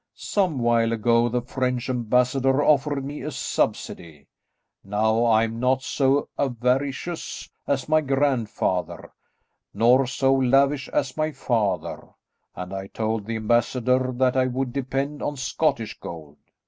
Some while ago the French ambassador offered me a subsidy. Now I am not so avaricious as my grandfather, nor so lavish as my father, and I told the ambassador that I would depend on Scottish gold.